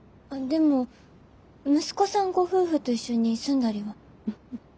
でも息子さんご夫婦と一緒に住んだりは？